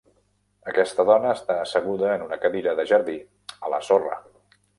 Aquesta dona està asseguda en una cadira de jardí a la sorra.